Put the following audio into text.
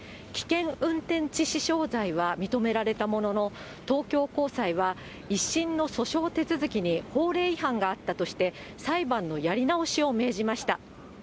危険運転致死傷罪は認められたものの、東京高裁は１審の訴訟手続きに法令違反があったとして、裁判のやり直しを命じました。